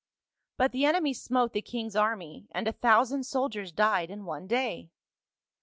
But the enemy smote tile king's army and a thousand soldiers died in one day.